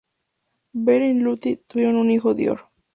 Beren y Lúthien tuvieron un hijo, Dior.